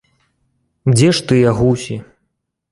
Дзе ж тыя гусі?